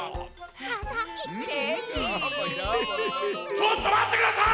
ちょっとまってください！